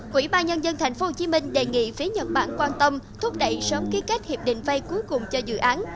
quỹ ba nhân dân tp hcm đề nghị phía nhật bản quan tâm thúc đẩy sớm ký kết hiệp định vay cuối cùng cho dự án